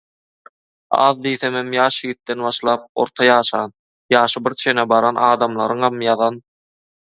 Az diýsemem ýaş ýigitden başlap, orta ýaşan, ýaşy bir çene baran adamlaryňam ýazan